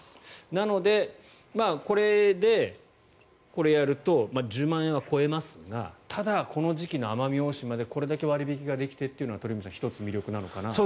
なのでこれでこれをやると１０万円は超えますがただ、この時期の奄美大島でこれだけ割引ができてというのは鳥海さん１つ魅力なのかなと。